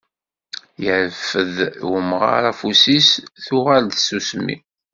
Yerfed umɣar afus-is tuɣal-d tsusmi.